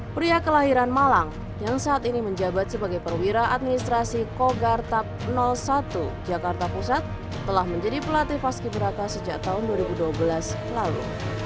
pria kelahiran malang yang saat ini menjabat sebagai perwira administrasi kogartap satu jakarta pusat telah menjadi pelatih paski beraka sejak tahun dua ribu dua belas lalu